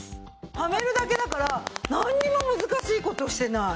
はめるだけだからなんにも難しい事してない。